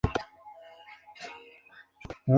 Ráfagas de ametralladoras enemigas los abatieron a ambos.